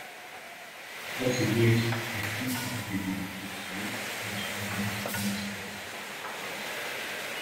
Els vinyers passen a propietat dels reis i dels convents i monestirs.